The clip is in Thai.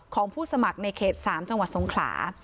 ของผู้สมัครในเขตสามจังหวัดทรงคลา